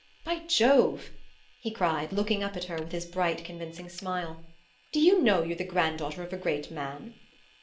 By Jove," he cried, looking up at her with his bright convincing smile, "do you know you're the granddaughter of a Great Man?"